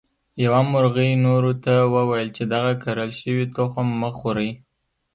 یوه مرغۍ نورو ته وویل چې دغه کرل شوي تخم مه خورئ.